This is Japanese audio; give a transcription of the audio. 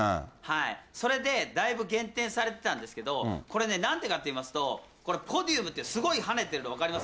それでだいぶ減点されてたんですけど、これね、なんでかといいますと、これ、すごい跳ねてるの分かります？